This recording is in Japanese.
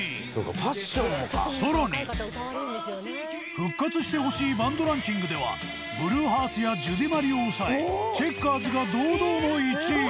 復活してほしいバンドランキングではＢＬＵＥＨＥＡＲＴＳやジュディマリを抑えチェッカーズが堂々の１位。